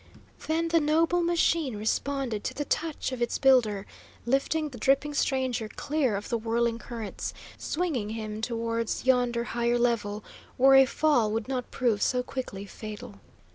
Then the noble machine responded to the touch of its builder, lifting the dripping stranger clear of the whirling currents, swinging him away towards yonder higher level, where a fall would not prove so quickly fatal.